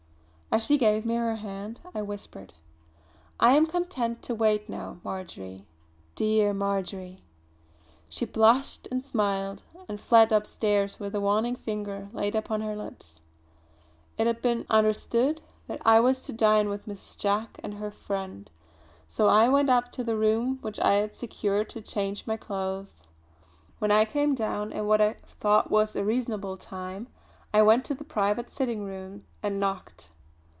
As she gave me her hand, I whispered: "I am content to wait now Marjory; dear Marjory!" She blushed and smiled, and fled upstairs with a warning finger laid upon her lips. It had been understood that I was to dine with Mrs. Jack and her friend, so I went up to the room which I had secured, to change my clothes. When I came down, in what I thought was a reasonable time, I went to the private sitting room and knocked.